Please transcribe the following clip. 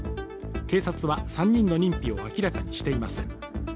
警察は３人の認否を明らかにしていません。